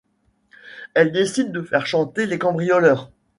Elles décident de faire chanter les cambrioleurs.